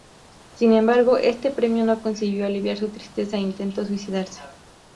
Sin embargo, este premio no consiguió aliviar su tristeza e intentó suicidarse.